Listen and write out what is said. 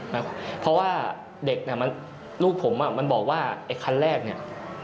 เพราะว่าเด็กเนี่ยมันลูกผมอ่ะมันบอกว่าไอ้คันแรกเนี่ย